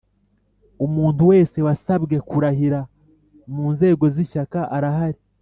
Umuntu wese wasabwe kurahira mu nzego zishyaka arahari